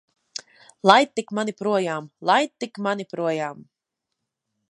Laid tik mani projām! Laid tik mani projām!